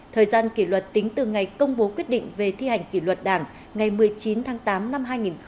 thời gian kỷ luật tính từ ngày công bố quyết định về thi hành kỷ luật đảng ngày một mươi chín tháng tám năm hai nghìn một mươi chín